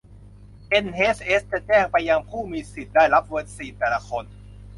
เอ็นเฮชเอสจะแจ้งไปยังผู้มีสิทธิ์ได้รับวัคซีนแต่ละคน